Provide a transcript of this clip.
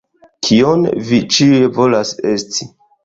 Kion... vi ĉiuj volas esti.